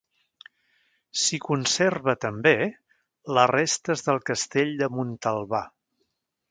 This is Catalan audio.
S'hi conserva també les restes del Castell de Montalbà.